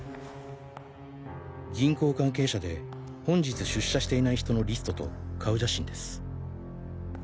「銀行関係者で本日出社していない人のリストと顔写真です」。